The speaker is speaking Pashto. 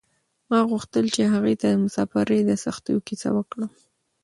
ما غوښتل چې هغې ته د مساپرۍ د سختیو کیسه وکړم.